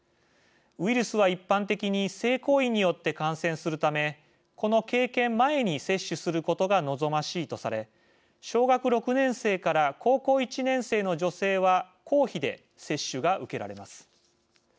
ウイルスは、一般的に性行為によって感染するためこの経験前に接種することが望ましいとされ、小学６年生から高校１年生の女性は公費で接種が受けられます。